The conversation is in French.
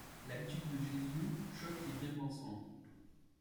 L'attitude de Jésus choque les bien-pensants.